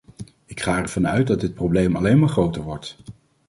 Ik ga ervan uit dat dit probleem alleen maar groter wordt.